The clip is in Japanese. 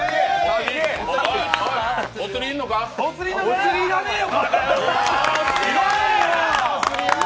お釣り要らねえよ。